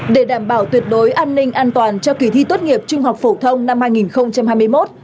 để đảm bảo tuyệt đối an ninh an toàn cho kỳ thi tốt nghiệp trung học phổ thông năm hai nghìn hai mươi một